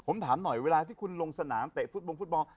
ผมถามหน่อยเวลาที่คุณลงสนามเตะฟุตบวงฟุตบอล